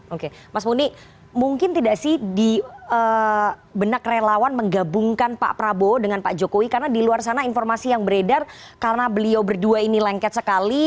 oke mas muni mungkin tidak sih di benak relawan menggabungkan pak prabowo dengan pak jokowi karena di luar sana informasi yang beredar karena beliau berdua ini lengket sekali